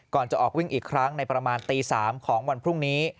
ก่อนจะออกวิ่งอีกครั้งในประมาณตี๓ของวันพรุ่งนี้